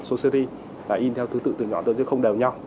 số series in theo thứ tự từ nhỏ tới không đều nhau